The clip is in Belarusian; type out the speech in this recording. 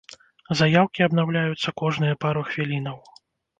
Заяўкі абнаўляюцца кожныя пару хвілінаў.